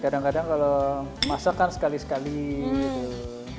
kadang kadang kalau masak kan sekali sekali gitu